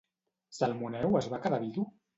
Salmoneu es va quedar vidu?